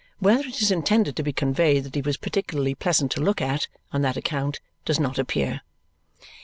Whether it is intended to be conveyed that he was particularly pleasant to look at, on that account, does not appear.